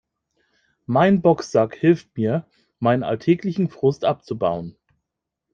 Mein Boxsack hilft mir, meinen alltäglichen Frust abzubauen.